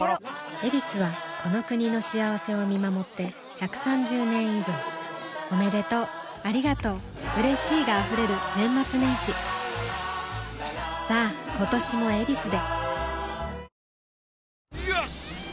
「ヱビス」はこの国の幸せを見守って１３０年以上おめでとうありがとううれしいが溢れる年末年始さあ今年も「ヱビス」でよしっ！